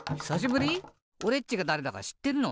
おれっちがだれだかしってるの？